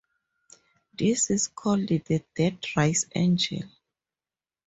This is called the deadrise angle.